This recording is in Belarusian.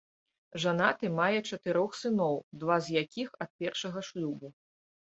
Жанаты, мае чатырох сыноў, два з якіх ад першага шлюбу.